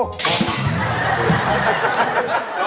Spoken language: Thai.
แน่นอน